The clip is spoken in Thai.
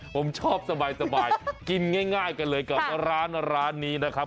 ผมชอบสบายกินง่ายกันเลยกับร้านนี้นะครับ